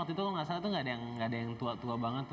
kayaknya waktu itu gak ada yang tua banget